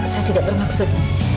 saya tidak bermaksud